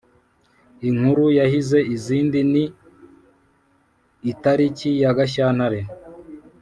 Inkuru yahize izindi ni I tariki ya Gashyantare